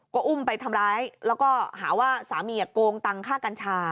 ก็อุ้มไปทำร้ายแล้วก็หาว่าสามีโกงตังค่ากัญชา